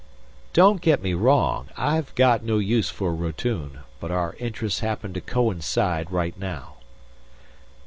"Don't get me wrong. I've got no use for Rotune; but our interests happen to coincide right now."